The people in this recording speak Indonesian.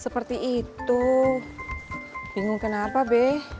seperti itu bingung kenapa be